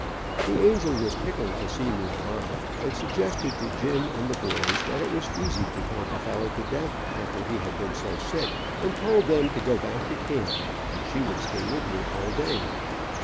The angel was tickled to see me alive, and suggested to Jim and the boys, that it was easy to talk a fellow to death after he had been so sick, and told them to go back to camp, and she would stay with me all day.